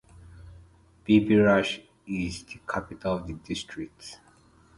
Biberach is the capital of the district.